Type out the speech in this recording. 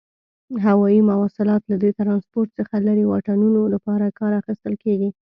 هوایي مواصلات له دې ترانسپورت څخه لري واټنونو لپاره کار اخیستل کیږي.